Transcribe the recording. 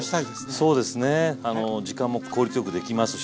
そうですね時間も効率よくできますし。